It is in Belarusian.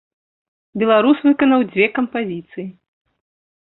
Беларус выканаў дзве кампазіцыі.